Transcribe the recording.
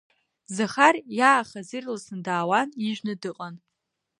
Захар иаахаз ирласны даауан, ижәны дыҟан.